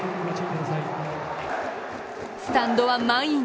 スタンドは満員。